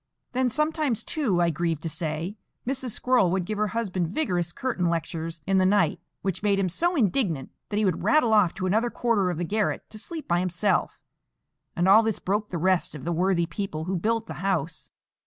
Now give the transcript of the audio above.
Then sometimes, too, I grieve to say, Mrs. Squirrel would give her husband vigorous curtain lectures in the night, which made him so indignant that he would rattle off to another quarter of the garret to sleep by himself; and all this broke the rest of the worthy people who built the house.